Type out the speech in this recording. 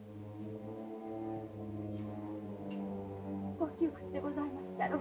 ご窮屈でございましたろう。